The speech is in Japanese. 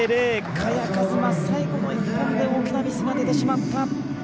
萱和磨、最後の１本で大きなミスが出てしまった。